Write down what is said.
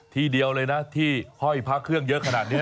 ทีเดียวเลยนะที่ห้อยพระเครื่องเยอะขนาดนี้